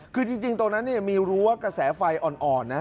คือจริงตัวนั้นมีรั้วกระแสไฟอ่อนนะ